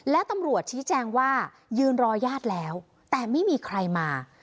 และตำรวจชี้แจงว่ายืนรอญาติแล้วแต่ไม่มีใครมา